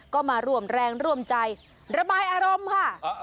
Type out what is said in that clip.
ก็มาร่วมแรงร่วมใจระบายอารมณ์ค่ะ